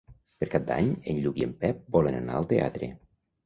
Per Cap d'Any en Lluc i en Pep volen anar al teatre.